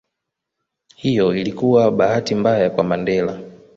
Hiyo ilikuwa bahati mbaya kwa Mandela